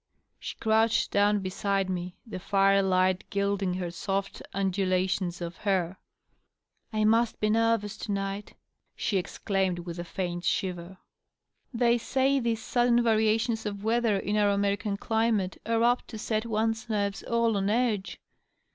She crouched down beside me, the firelight gilding her sofl undulations of hair. "I must be nervous to night," she exclaimed. 622 DOUGLAS DUANE. With a faint shiver. " They say these sudden variations of weather in our American climate are apt to set one^s nerves all on edge.